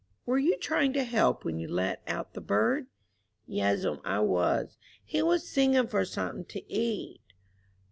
"Were you trying to help when you let out the bird?" "Yes'm, I was. He was singin' for somethin' to eat."